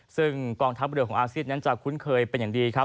ซึ่งกองทัพเรือของอาเซียนนั้นจะคุ้นเคยเป็นอย่างดีครับ